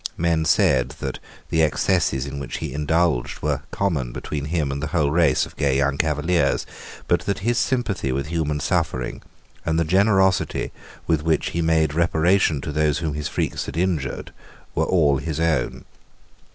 Men said that the excesses in which he indulged were common between him and the whole race of gay young Cavaliers, but that his sympathy with human suffering and the generosity with which he made reparation to those whom his freaks had injured were all his own.